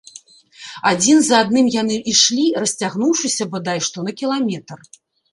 Адзін за адным яны ішлі, расцягнуўшыся бадай што на кіламетр.